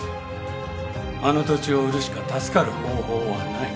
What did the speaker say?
あの土地を売るしか助かる方法はない。